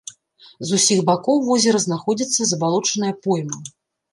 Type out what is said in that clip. З усіх бакоў возера знаходзіцца забалочаная пойма.